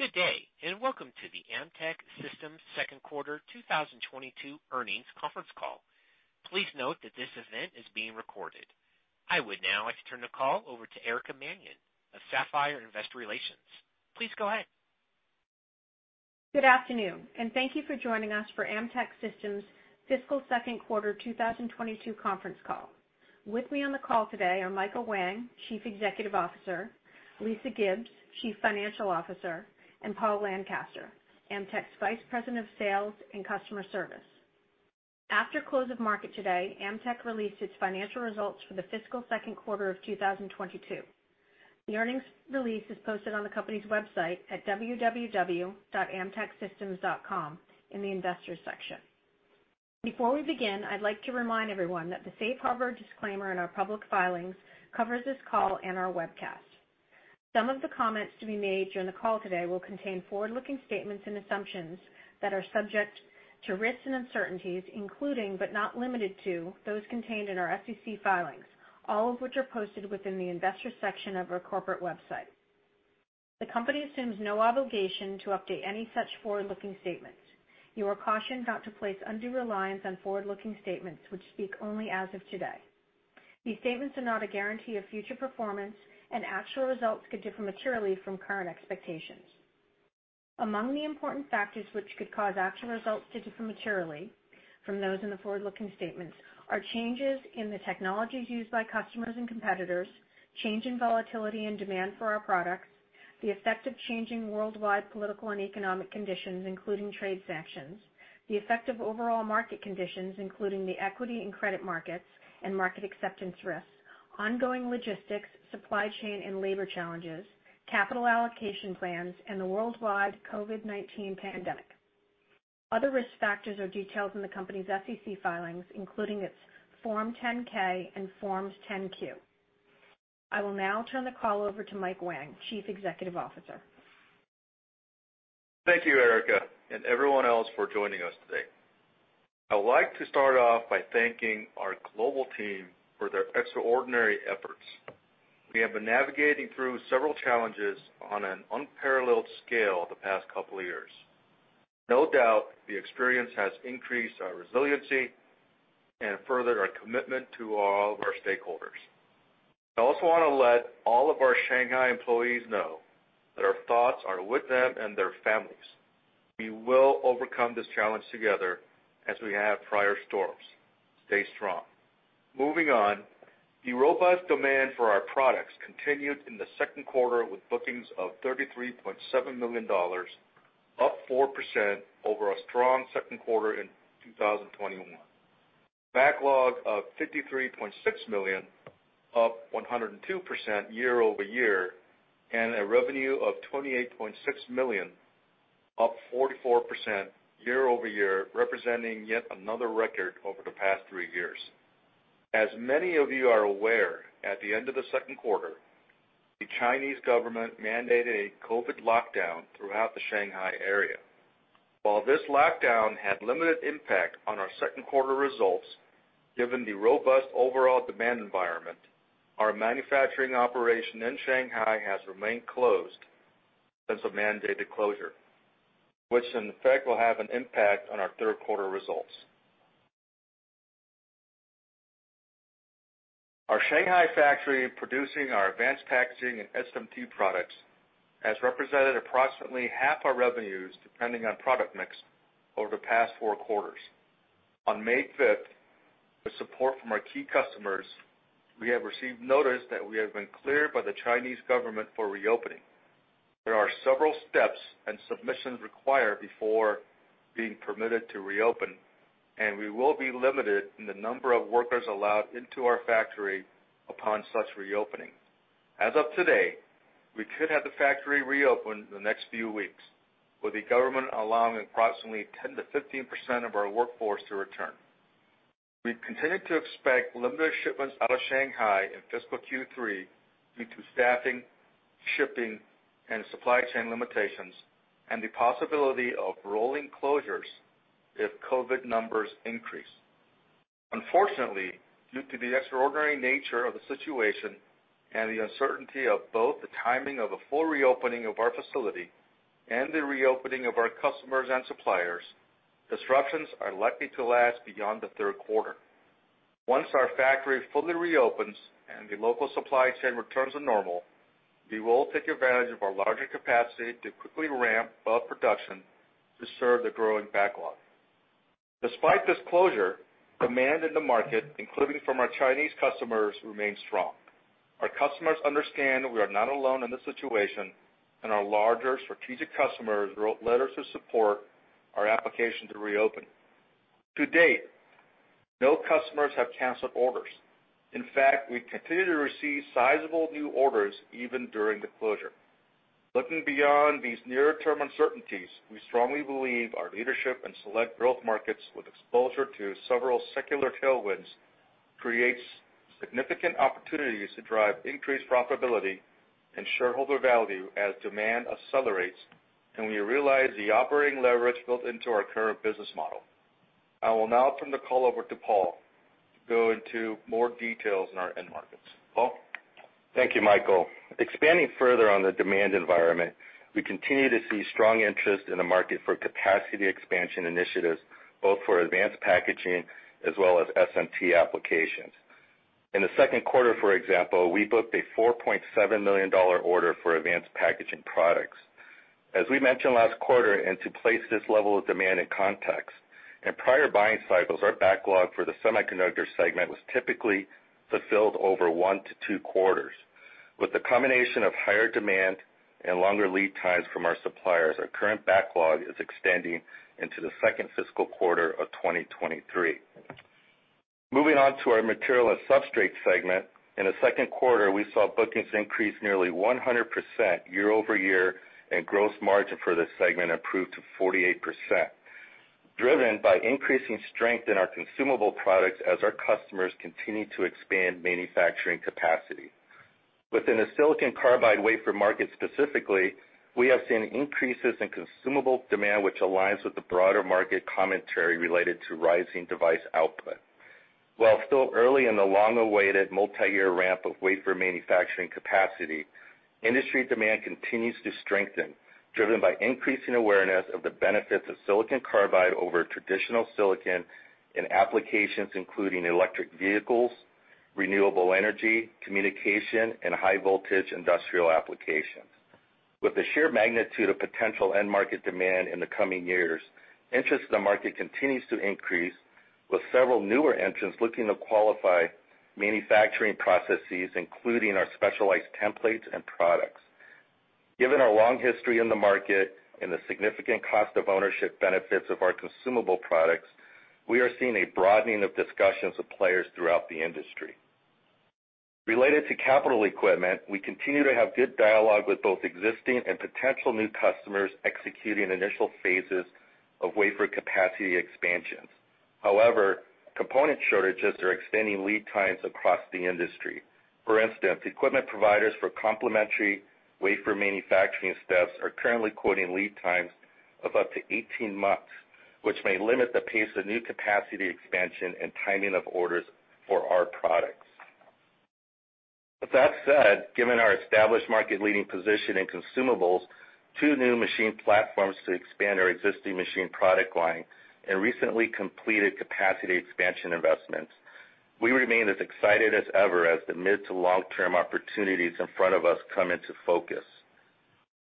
Good day, and welcome to the Amtech Systems Second Quarter 2022 Earnings Conference Call. Please note that this event is being recorded. I would now like to turn the call over to Erica Mannion of Sapphire Investor Relations. Please go ahead. Good afternoon, and thank you for joining us for Amtech Systems' fiscal second quarter 2022 conference call. With me on the call today are Michael Whang, Chief Executive Officer, Lisa Gibbs, Chief Financial Officer, and Paul Lancaster, Amtech's Vice President of Sales and Customer Service. After close of market today, Amtech released its financial results for the fiscal second quarter of 2022. The earnings release is posted on the company's website at www.amtechsystems.com in the Investors section. Before we begin, I'd like to remind everyone that the safe harbor disclaimer in our public filings covers this call and our webcast. Some of the comments to be made during the call today will contain forward-looking statements and assumptions that are subject to risks and uncertainties, including, but not limited to, those contained in our SEC filings, all of which are posted within the Investors section of our corporate website. The company assumes no obligation to update any such forward-looking statements. You are cautioned not to place undue reliance on forward-looking statements which speak only as of today. These statements are not a guarantee of future performance, and actual results could differ materially from current expectations. Among the important factors which could cause actual results to differ materially from those in the forward-looking statements are changes in the technologies used by customers and competitors, change in volatility and demand for our products, the effect of changing worldwide political and economic conditions, including trade sanctions, the effect of overall market conditions, including the equity and credit markets and market acceptance risks, ongoing logistics, supply chain and labor challenges, capital allocation plans, and the worldwide COVID-19 pandemic. Other risk factors are detailed in the company's SEC filings, including its Form 10-K, and Forms 10-Q. I will now turn the call over to Mike Whang, Chief Executive Officer. Thank you, Erica, and everyone else for joining us today. I'd like to start off by thanking our global team for their extraordinary efforts. We have been navigating through several challenges on an unparalleled scale the past couple of years. No doubt, the experience has increased our resiliency and furthered our commitment to all of our stakeholders. I also want to let all of our Shanghai employees know that our thoughts are with them and their families. We will overcome this challenge together as we have prior storms. Stay strong. Moving on, the robust demand for our products continued in the second quarter with bookings of $33.7 million, up 4% over a strong second quarter in 2021. Backlog of $53.6 million, up 102% year-over-year, and a revenue of $28.6 million, up 44% year-over-year, representing yet another record over the past three years. As many of you are aware, at the end of the second quarter, the Chinese government mandated a COVID lockdown throughout the Shanghai area. While this lockdown had limited impact on our second quarter results, given the robust overall demand environment, our manufacturing operation in Shanghai has remained closed since the mandated closure, which in effect will have an impact on our third quarter results. Our Shanghai factory producing our advanced packaging and SMT products has represented approximately half our revenues, depending on product mix, over the past four quarters. On May fifth, with support from our key customers, we have received notice that we have been cleared by the Chinese government for reopening. There are several steps and submissions required before being permitted to reopen, and we will be limited in the number of workers allowed into our factory upon such reopening. As of today, we could have the factory reopened in the next few weeks, with the government allowing approximately 10%-15% of our workforce to return. We continue to expect limited shipments out of Shanghai in fiscal Q3 due to staffing, shipping, and supply chain limitations and the possibility of rolling closures if COVID numbers increase. Unfortunately, due to the extraordinary nature of the situation and the uncertainty of both the timing of a full reopening of our facility and the reopening of our customers and suppliers, disruptions are likely to last beyond the third quarter. Once our factory fully reopens and the local supply chain returns to normal, we will take advantage of our larger capacity to quickly ramp up production to serve the growing backlog. Despite this closure, demand in the market, including from our Chinese customers, remains strong. Our customers understand we are not alone in this situation, and our larger strategic customers wrote letters to support our application to reopen. To date, no customers have canceled orders. In fact, we continue to receive sizable new orders even during the closure. Looking beyond these near-term uncertainties, we strongly believe our leadership and select growth markets with exposure to several secular tailwinds creates significant opportunities to drive increased profitability and shareholder value as demand accelerates and we realize the operating leverage built into our current business model. I will now turn the call over to Paul to go into more details on our end markets. Paul? Thank you, Michael. Expanding further on the demand environment, we continue to see strong interest in the market for capacity expansion initiatives, both for advanced packaging as well as SMT applications. In the second quarter, for example, we booked a $4.7 million order for advanced packaging products. As we mentioned last quarter, and to place this level of demand in context, in prior buying cycles, our backlog for the semiconductor segment was typically fulfilled over one to two quarters. With the combination of higher demand and longer lead times from our suppliers, our current backlog is extending into the second fiscal quarter of 2023. Moving on to our material and substrate segment. In the second quarter, we saw bookings increase nearly 100% year-over-year, and gross margin for this segment improved to 48%, driven by increasing strength in our consumable products as our customers continue to expand manufacturing capacity. Within the silicon carbide wafer market specifically, we have seen increases in consumable demand, which aligns with the broader market commentary related to rising device output. While still early in the long-awaited multiyear ramp of wafer manufacturing capacity, industry demand continues to strengthen, driven by increasing awareness of the benefits of silicon carbide over traditional silicon in applications including electric vehicles, renewable energy, communication, and high voltage industrial applications. With the sheer magnitude of potential end market demand in the coming years, interest in the market continues to increase, with several newer entrants looking to qualify manufacturing processes, including our specialized templates and products. Given our long history in the market and the significant cost of ownership benefits of our consumable products, we are seeing a broadening of discussions with players throughout the industry. Related to capital equipment, we continue to have good dialogue with both existing and potential new customers executing initial phases of wafer capacity expansions. However, component shortages are extending lead times across the industry. For instance, equipment providers for complementary wafer manufacturing steps are currently quoting lead times of up to 18 months, which may limit the pace of new capacity expansion and timing of orders for our products. With that said, given our established market-leading position in consumables, two new machine platforms to expand our existing machine product line, and recently completed capacity expansion investments, we remain as excited as ever as the mid- to long-term opportunities in front of us come into focus.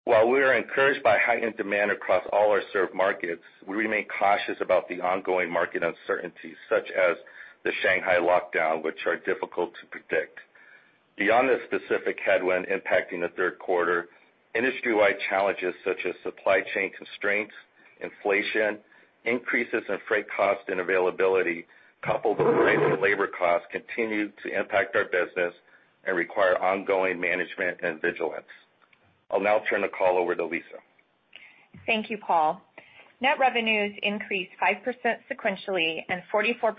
While we are encouraged by heightened demand across all our served markets, we remain cautious about the ongoing market uncertainties, such as the Shanghai lockdown, which are difficult to predict. Beyond this specific headwind impacting the third quarter, industry-wide challenges such as supply chain constraints, inflation, increases in freight cost and availability, coupled with rising labor costs, continue to impact our business and require ongoing management and vigilance. I'll now turn the call over to Lisa. Thank you, Paul. Net revenues increased 5% sequentially and 44%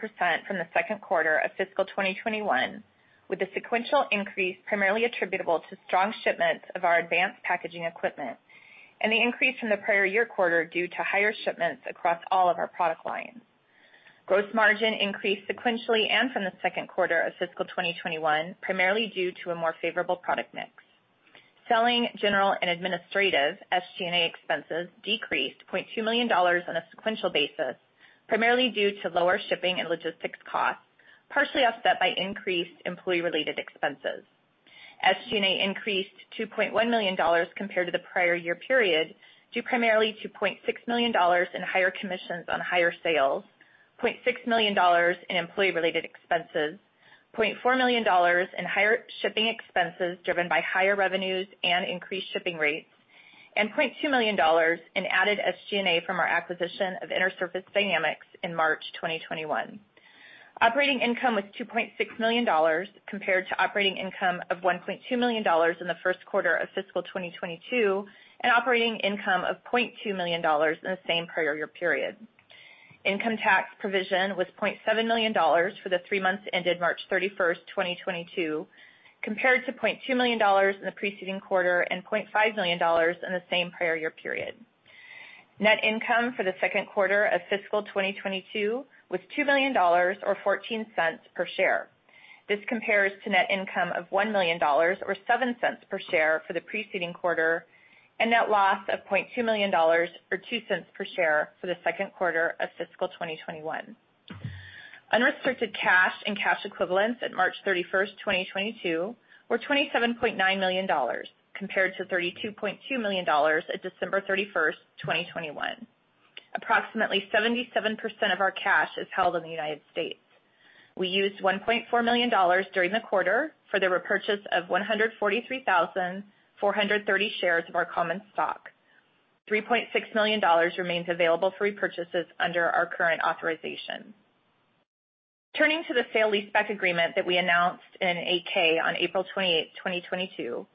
from the second quarter of fiscal 2021, with the sequential increase primarily attributable to strong shipments of our advanced packaging equipment, and the increase from the prior year quarter due to higher shipments across all of our product lines. Gross margin increased sequentially and from the second quarter of fiscal 2021, primarily due to a more favorable product mix. Selling, general, and administrative, SG&A, expenses decreased $0.2 million on a sequential basis, primarily due to lower shipping and logistics costs, partially offset by increased employee-related expenses. SG&A increased $2.1 million compared to the prior year period, due primarily to $0.6 million in higher commissions on higher sales, $0.6 million in employee-related expenses, $0.4 million in higher shipping expenses driven by higher revenues and increased shipping rates, and $0.2 million in added SG&A from our acquisition of Intersurface Dynamics in March 2021. Operating income was $2.6 million compared to operating income of $1.2 million in the first quarter of fiscal 2022, and operating income of $0.2 million in the same prior year period. Income tax provision was $0.7 million for the three months ended March 31, 2022, compared to $0.2 million in the preceding quarter and $0.5 million in the same prior year period. Net income for the second quarter of fiscal 2022 was $2 million or $0.14 per share. This compares to net income of $1 million or $0.07 per share for the preceding quarter, and net loss of $0.2 million or $0.02 per share for the second quarter of fiscal 2021. Unrestricted cash and cash equivalents at March 31, 2022 were $27.9 million, compared to $32.2 million at December 31, 2021. Approximately 77% of our cash is held in the United States. We used $1.4 million during the quarter for the repurchase of 143,430 shares of our common stock. $3.6 million remains available for repurchases under our current authorization. Turning to the sale leaseback agreement that we announced in an 8-K, on April 28, 2022.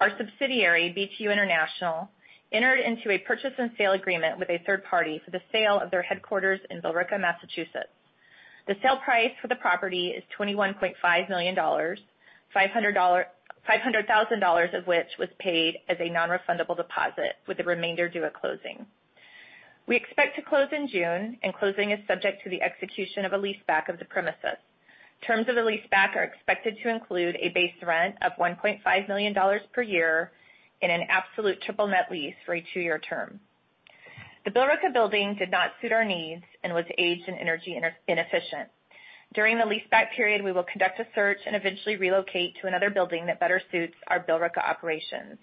Our subsidiary, BTU International, entered into a purchase and sale agreement with a third party for the sale of their headquarters in Billerica, Massachusetts. The sale price for the property is $21.5 million, $500,000 of which was paid as a nonrefundable deposit with the remainder due at closing. We expect to close in June, and closing is subject to the execution of a leaseback of the premises. Terms of the leaseback are expected to include a base rent of $1.5 million per year in an absolute triple net lease for a two-year term. The Billerica building did not suit our needs and was aged and energy inefficient. During the leaseback period, we will conduct a search and eventually relocate to another building that better suits our Billerica operations.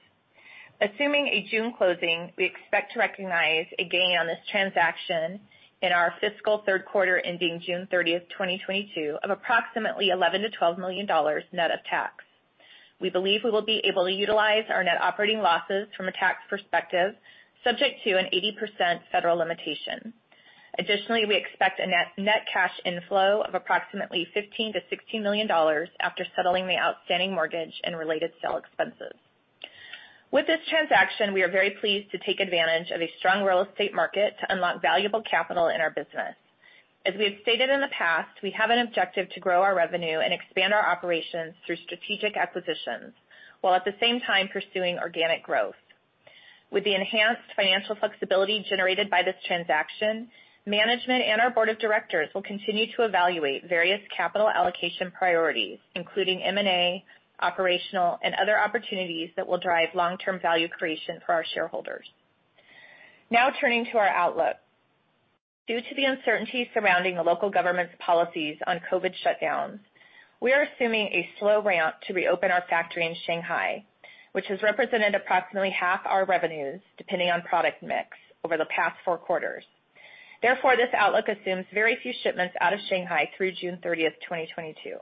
Assuming a June closing, we expect to recognize a gain on this transaction in our fiscal third quarter ending June 30, 2022 of approximately $11-$12 million net of tax. We believe we will be able to utilize our net operating losses from a tax perspective, subject to an 80% federal limitation. Additionally, we expect a net-net cash inflow of approximately $15-$16 million after settling the outstanding mortgage and related sale expenses. With this transaction, we are very pleased to take advantage of a strong real estate market to unlock valuable capital in our business. As we have stated in the past, we have an objective to grow our revenue and expand our operations through strategic acquisitions, while at the same time pursuing organic growth. With the enhanced financial flexibility generated by this transaction, management and our board of directors will continue to evaluate various capital allocation priorities, including M&A, operational and other opportunities that will drive long-term value creation for our shareholders. Now turning to our outlook. Due to the uncertainty surrounding the local government's policies on COVID shutdowns, we are assuming a slow ramp to reopen our factory in Shanghai, which has represented approximately half our revenues depending on product mix over the past four quarters. Therefore, this outlook assumes very few shipments out of Shanghai through June 30, 2022.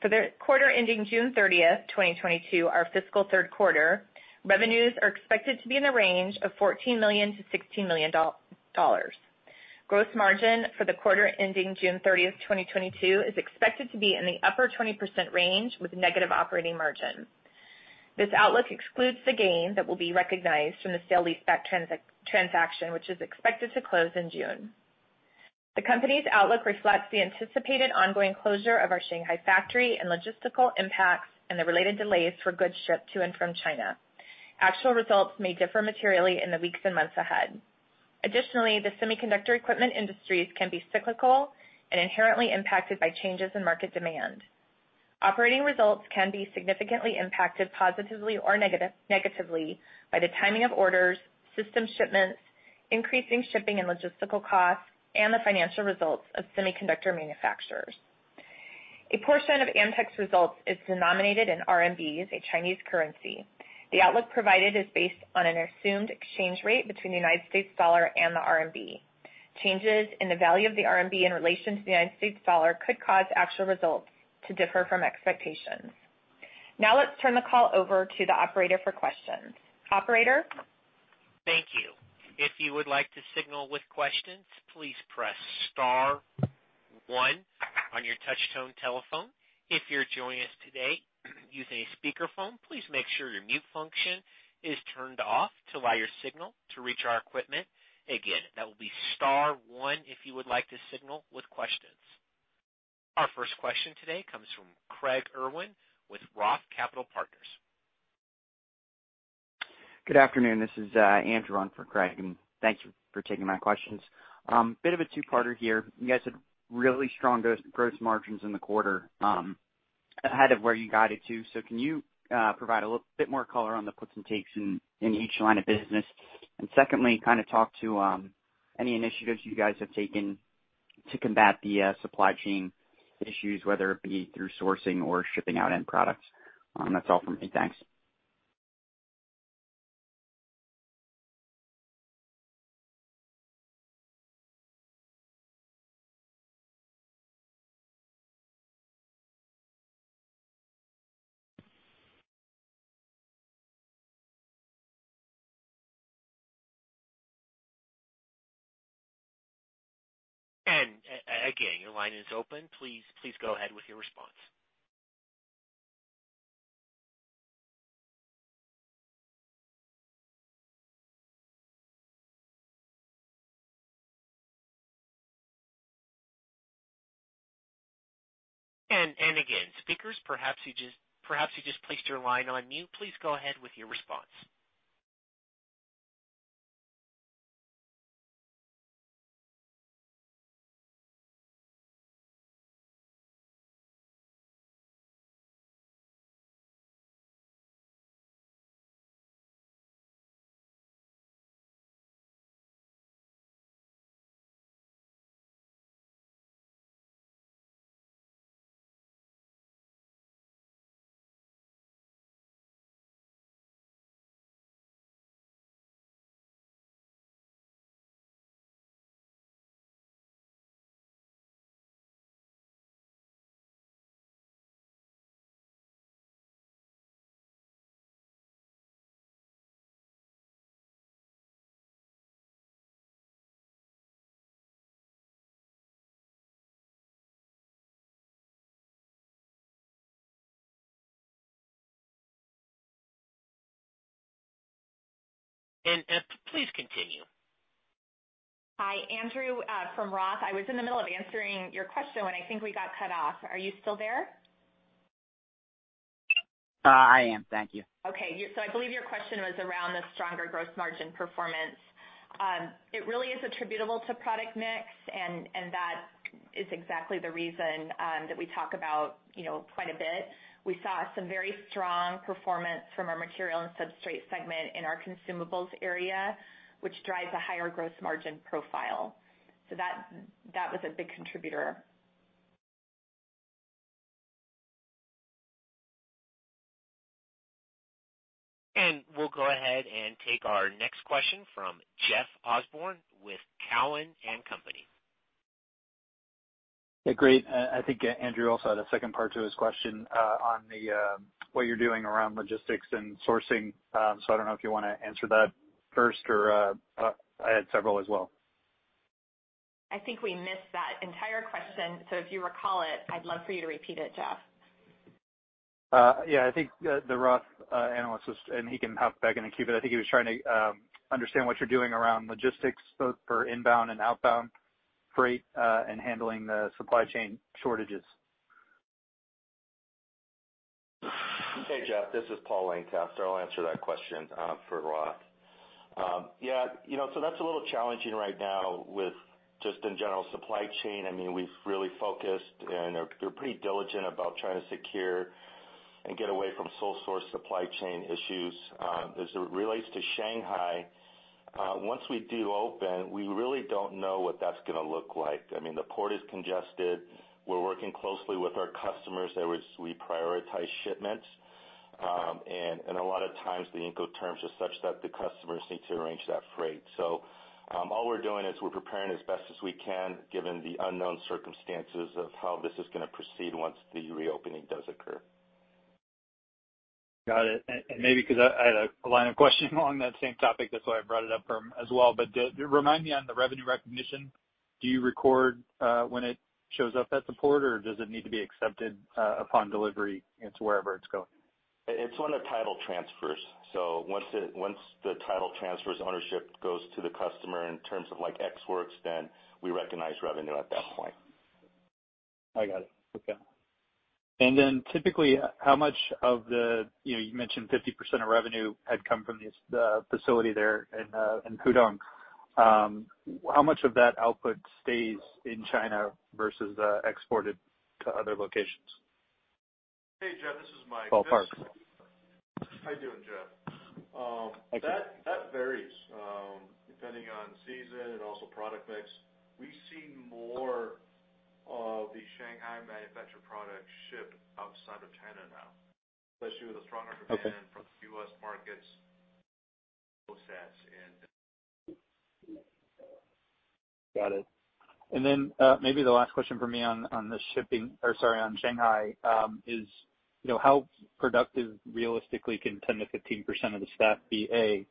For the quarter ending June 30, 2022, our fiscal third quarter, revenues are expected to be in the range of $14 million-$16 million. Gross margin for the quarter ending June 30, 2022, is expected to be in the upper 20% range with negative operating margin. This outlook excludes the gain that will be recognized from the sale-leaseback transaction, which is expected to close in June. The company's outlook reflects the anticipated ongoing closure of our Shanghai factory and logistical impacts and the related delays for goods shipped to and from China. Actual results may differ materially in the weeks and months ahead. Additionally, the semiconductor equipment industries can be cyclical and inherently impacted by changes in market demand. Operating results can be significantly impacted positively or negatively by the timing of orders, system shipments, increasing shipping and logistical costs, and the financial results of semiconductor manufacturers. A portion of Amtech's results is denominated in RMBs, a Chinese currency. The outlook provided is based on an assumed exchange rate between the United States dollar and the RMB. Changes in the value of the RMB in relation to the United States dollar could cause actual results to differ from expectations. Now let's turn the call over to the operator for questions. Operator? Thank you. If you would like to signal with questions, please press star one on your touchtone telephone. If you're joining us today using a speakerphone, please make sure your mute function is turned off to allow your signal to reach our equipment. Again, that will be star one if you would like to signal with questions. Our first question today comes from Craig Irwin with Roth Capital Partners. Good afternoon. This is Andrew on for Craig, and thank you for taking my questions. Bit of a two-parter here. You guys had really strong gross margins in the quarter, ahead of where you guided to. Can you provide a little bit more color on the puts and takes in each line of business? And secondly, kind of talk to any initiatives you guys have taken to combat the supply chain issues, whether it be through sourcing or shipping out end products. That's all from me. Thanks. Again, your line is open. Please go ahead with your response. Again, speakers, perhaps you just placed your line on mute. Please go ahead with your response. Please continue. Hi, Andrew, from Roth. I was in the middle of answering your question when I think we got cut off. Are you still there? I am. Thank you. Okay. I believe your question was around the stronger gross margin performance. It really is attributable to product mix, and that is exactly the reason that we talk about, you know, quite a bit. We saw some very strong performance from our material and substrate segment in our consumables area, which drives a higher gross margin profile. That was a big contributor. We'll go ahead and take our next question from Jeff Osborne with Cowen and Company. Yeah. Great. I think Andrew also had a second part to his question, on the what you're doing around logistics and sourcing. I don't know if you wanna answer that first or I had several as well. I think we missed that entire question. If you recall it, I'd love for you to repeat it, Jeff. Yeah. I think the Roth analyst and he can hop back in and queue. I think he was trying to understand what you're doing around logistics, both for inbound and outbound freight, and handling the supply chain shortages. Hey, Jeff, this is Paul Lancaster. I'll answer that question for Roth. Yeah, you know, that's a little challenging right now with just in general supply chain. I mean, we've really focused, and we're pretty diligent about trying to secure and get away from sole source supply chain issues. As it relates to Shanghai, once we do open, we really don't know what that's gonna look like. I mean, the port is congested. We're working closely with our customers there as we prioritize shipments. A lot of times the Incoterms are such that the customers need to arrange that freight. All we're doing is we're preparing as best as we can given the unknown circumstances of how this is gonna proceed once the reopening does occur. Got it. Maybe 'cause I had a line of questioning along that same topic, that's why I brought it up as well. Remind me on the revenue recognition, do you record when it shows up at the port, or does it need to be accepted upon delivery into wherever it's going? It's when the title transfers. Once the title transfers, ownership goes to the customer in terms of like Ex Works, then we recognize revenue at that point. I got it. Okay. Typically, how much of the, you know, you mentioned 50% of revenue had come from this, the facility there in Pudong. How much of that output stays in China versus exported to other locations? Hey, Jeff. This is Michael. Paul Lancaster. How you doing, Jeff? That varies depending on season and also product mix. We see more of the Shanghai manufactured products shipped outside of China now, especially with a stronger demand. Okay. From the U.S. markets. Got it. Maybe the last question for me on Shanghai is, you know, how productive realistically can 10%-15% of the staff be, A?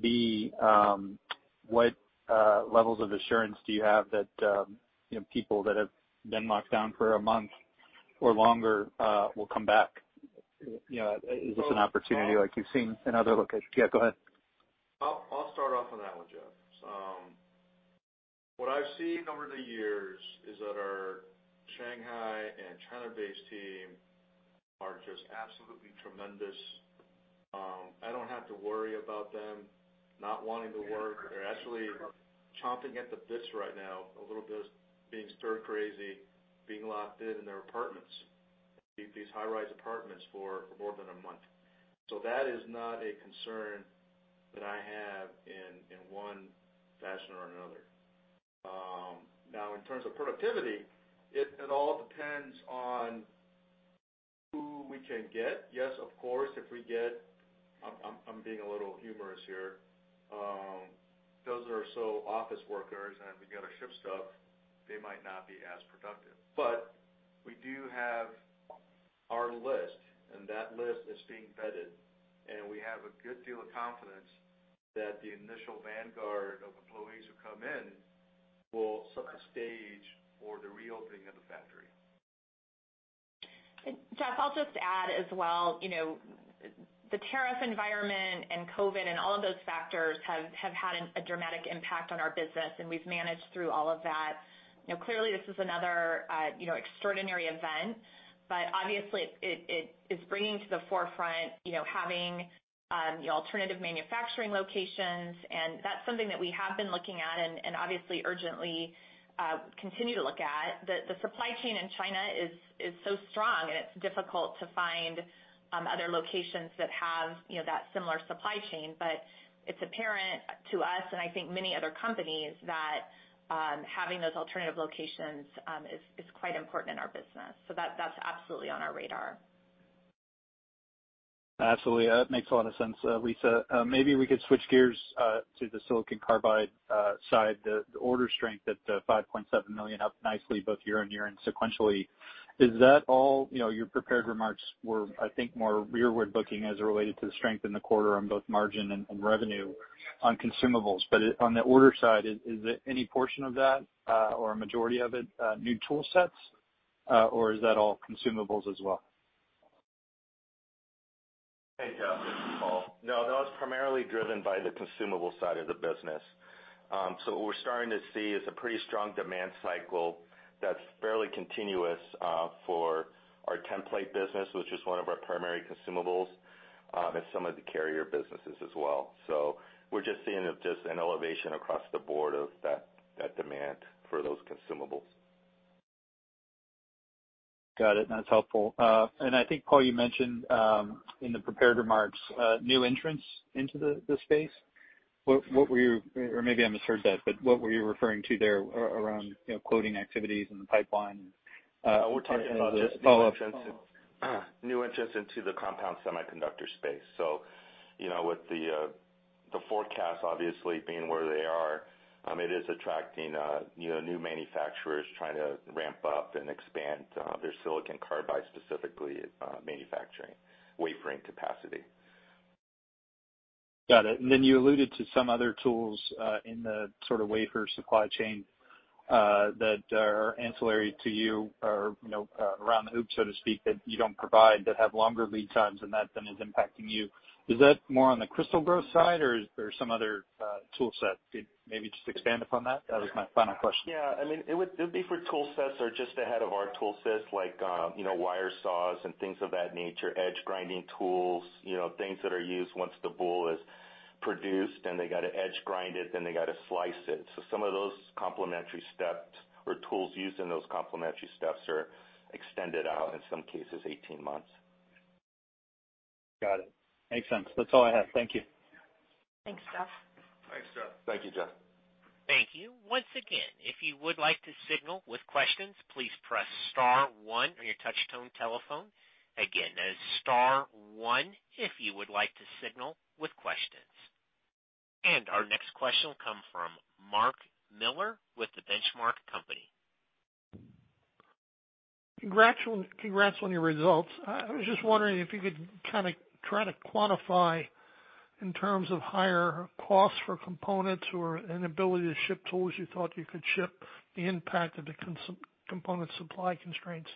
B, what levels of assurance do you have that, you know, people that have been locked down for a month or longer will come back? You know, is this an opportunity like you've seen in other locations? Yeah, go ahead. I'll start off on that one, Jeff. What I've seen over the years is that our Shanghai and China-based team are just absolutely tremendous. I don't have to worry about them not wanting to work. They're actually chomping at the bits right now, a little bit being stir crazy, being locked in their apartments, these high-rise apartments for more than a month. That is not a concern that I have in one fashion or another. Now in terms of productivity, it all depends on who we can get. Yes, of course. If we get those, I'm being a little humorous here. Those are our office workers, and we gotta ship stuff, they might not be as productive. We do have our list, and that list is being vetted, and we have a good deal of confidence that the initial vanguard of employees who come in will set the stage for the reopening of the factory. Jeff, I'll just add as well, you know, the tariff environment and COVID and all of those factors have had a dramatic impact on our business, and we've managed through all of that. You know, clearly this is another, you know, extraordinary event, but obviously it's bringing to the forefront, you know, having, you know, alternative manufacturing locations, and that's something that we have been looking at and obviously urgently continue to look at. The supply chain in China is so strong, and it's difficult to find other locations that have, you know, that similar supply chain, but it's apparent to us, and I think many other companies that having those alternative locations is quite important in our business. That, that's absolutely on our radar. Absolutely. That makes a lot of sense, Lisa. Maybe we could switch gears to the silicon carbide side. The order strength at $5.7 million up nicely both year-over-year and sequentially. Is that all, you know, your prepared remarks were, I think, more rearward looking as it related to the strength in the quarter on both margin and revenue on consumables, but it on the order side, is it any portion of that or a majority of it new tool sets or is that all consumables as well? Hey, Jeff, this is Paul. No, that was primarily driven by the consumable side of the business. What we're starting to see is a pretty strong demand cycle that's fairly continuous for our template business, which is one of our primary consumables, and some of the carrier businesses as well. We're just seeing an elevation across the board of that demand for those consumables. Got it. That's helpful. I think, Paul, you mentioned in the prepared remarks new entrants into the space. Or maybe I misheard that, but what were you referring to there around, you know, quoting activities in the pipeline? As a follow-up- We're talking about just new entrants into the compound semiconductor space. You know, with the forecast obviously being where they are, it is attracting, you know, new manufacturers trying to ramp up and expand their silicon carbide, specifically, manufacturing wafering capacity. Got it. You alluded to some other tools in the sort of wafer supply chain that are ancillary to you or, you know, around the hoop, so to speak, that you don't provide that have longer lead times, and that then is impacting you. Is that more on the crystal growth side, or is there some other tool set? Could maybe just expand upon that? That was my final question. Yeah. I mean, it'd be for tool sets or just ahead of our tool sets, like, you know, wire saws and things of that nature, edge grinding tools, you know, things that are used once the boule is produced, and they got to edge grind it, then they got to slice it. Some of those complementary steps or tools used in those complementary steps are extended out, in some cases 18 months. Got it. Makes sense. That's all I have. Thank you. Thanks, Jeff. Thanks, Jeff. Thank you, Jeff. Thank you. Once again, if you would like to signal with questions, please press star one on your touch tone telephone. Again, that is star one if you would like to signal with questions. Our next question will come from Mark Miller with The Benchmark Company. Congrats on your results. I was just wondering if you could kind of try to quantify in terms of higher costs for components or inability to ship tools you thought you could ship, the impact of the component supply constraints.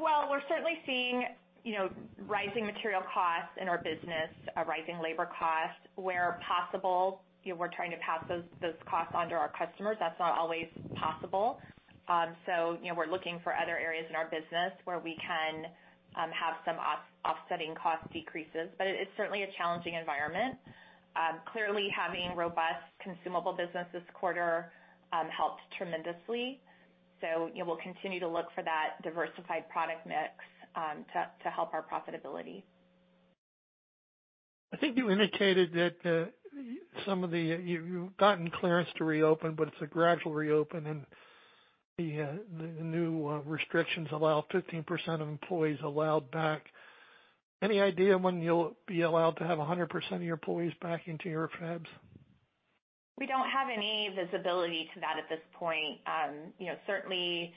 Well, we're certainly seeing, you know, rising material costs in our business, rising labor costs. Where possible, you know, we're trying to pass those costs onto our customers. That's not always possible. You know, we're looking for other areas in our business where we can have some offsetting cost decreases. It is certainly a challenging environment. Clearly, having robust consumable business this quarter helped tremendously. You know, we'll continue to look for that diversified product mix to help our profitability. I think you indicated that you've gotten clearance to reopen, but it's a gradual reopen, and the new restrictions allow 15% of employees allowed back. Any idea when you'll be allowed to have 100% of your employees back into your fabs? We don't have any visibility to that at this point. You know, certainly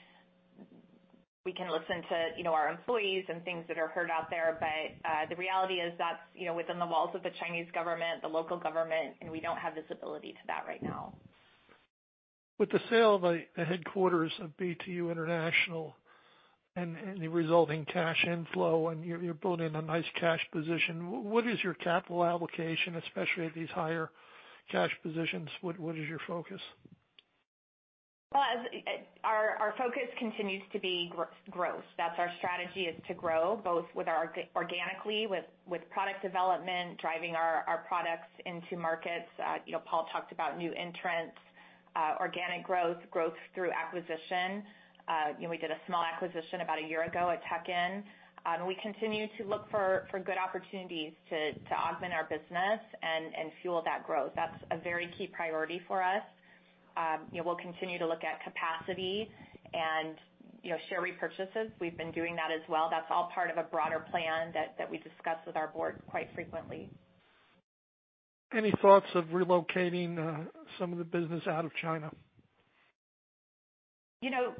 we can listen to, you know, our employees and things that are heard out there, but the reality is that's, you know, within the walls of the Chinese government, the local government, and we don't have visibility to that right now. With the sale of the headquarters of BTU International and the resulting cash inflow, and you're building a nice cash position, what is your capital allocation, especially at these higher cash positions, what is your focus? Well, our focus continues to be growth. That's our strategy, is to grow both organically with product development, driving our products into markets. You know, Paul talked about new entrants, organic growth through acquisition. You know, we did a small acquisition about a year ago at Teqin. We continue to look for good opportunities to augment our business and fuel that growth. That's a very key priority for us. You know, we'll continue to look at capacity and, you know, share repurchases. We've been doing that as well. That's all part of a broader plan that we discuss with our board quite frequently. Any thoughts of relocating some of the business out of China? You know,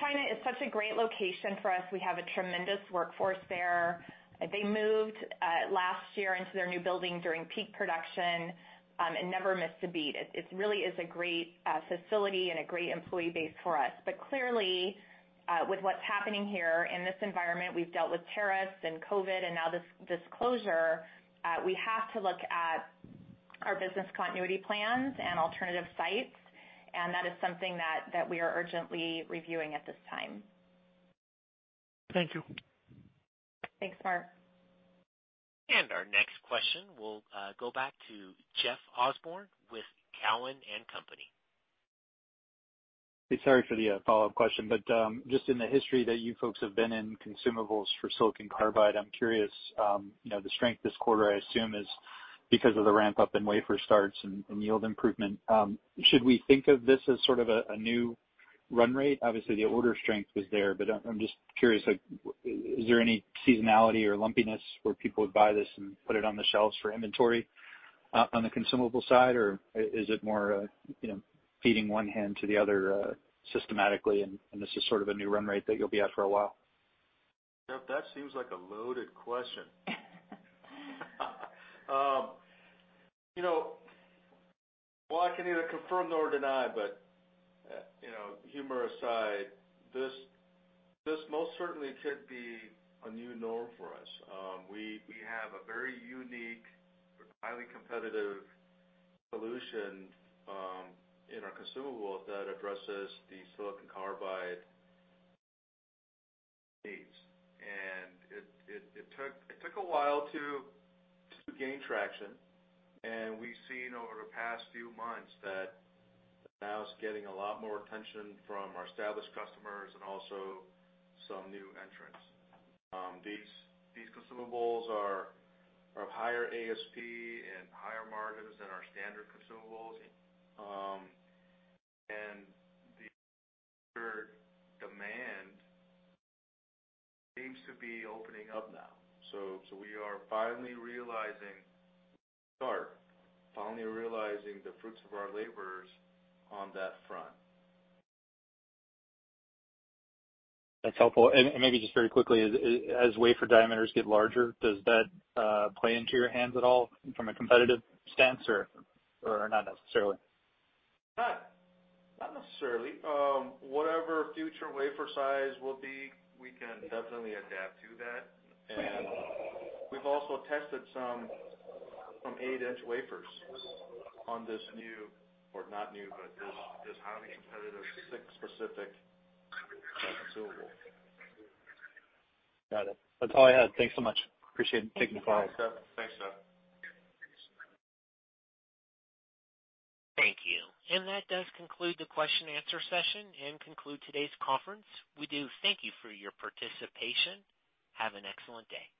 China is such a great location for us. We have a tremendous workforce there. They moved last year into their new building during peak production and never missed a beat. It really is a great facility and a great employee base for us. Clearly, with what's happening here in this environment, we've dealt with tariffs and COVID and now this closure, we have to look at our business continuity plans and alternative sites, and that is something that we are urgently reviewing at this time. Thank you. Thanks, Mark. Our next question will go back to Jeff Osborne with Cowen and Company. Sorry for the follow-up question, but just in the history that you folks have been in consumables for silicon carbide, I'm curious, you know, the strength this quarter, I assume, is because of the ramp-up in wafer starts and yield improvement. Should we think of this as sort of a new run rate? Obviously, the order strength was there, but I'm just curious, like, is there any seasonality or lumpiness where people would buy this and put it on the shelves for inventory on the consumable side, or is it more, you know, feeding one hand to the other systematically, and this is sort of a new run rate that you'll be at for a while? Jeff, that seems like a loaded question. You know, well, I can neither confirm nor deny, but, you know, humor aside, this most certainly could be a new norm for us. We have a very unique, highly competitive solution in our consumable that addresses the silicon carbide needs. It took a while to gain traction. We've seen over the past few months that it now is getting a lot more attention from our established customers and also some new entrants. These consumables are of higher ASP and higher margins than our standard consumables. The demand seems to be opening up now. We are finally realizing the fruits of our labor on that front. That's helpful. Maybe just very quickly, as wafer diameters get larger, does that play into your hands at all from a competitive stance or not necessarily? Not necessarily. Whatever future wafer size will be, we can definitely adapt to that. We've also tested some 8-inch wafers on this highly competitive SiC-specific consumable. Got it. That's all I had. Thanks so much. Appreciate you taking the call. Thanks, Jeff. Thank you. That does conclude the question and answer session and conclude today's conference. We do thank you for your participation. Have an excellent day.